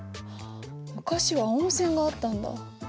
昔は温泉があったんだ。